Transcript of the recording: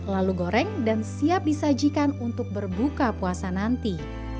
lalu goreng dan siap disajikan untuk berbuka puasa nanti